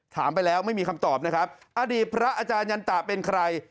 ถามไปแล้วไม่มีคำตอบนะครับอดีตพระอาจารยันตะเป็นใคร